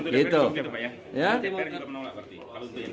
kalau itu dpr juga menolak